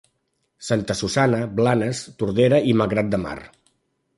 Santa Susanna, Blanes, Tordera i Malgrat de Mar.